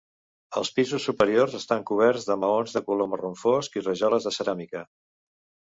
Els pisos superiors estan coberts de maons de color marró fosc i rajoles de ceràmica.